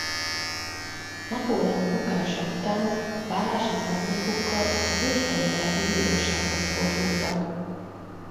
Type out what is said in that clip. Napóleon bukása után válási szándékukkal a württembergi bírósághoz fordultak.